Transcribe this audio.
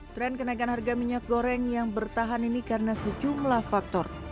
tren kenaikan harga minyak goreng yang bertahan ini karena sejumlah faktor